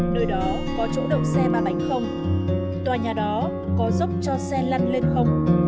nơi đó có chỗ động xe ba trăm bảy mươi tòa nhà đó có dốc cho xe lăn lên không